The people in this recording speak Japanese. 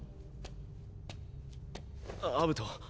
アブト。